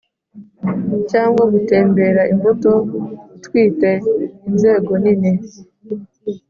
cyangwa gutembera imbuto, utwite inzego nini. ”